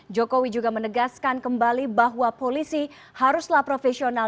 jokowi juga menegaskan kembali bahwa polisi haruslah profesional